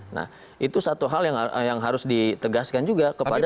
nah itu satu hal yang harus ditegaskan juga kepada